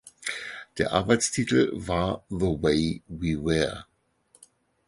Der Arbeitstitel war "The Way We Were".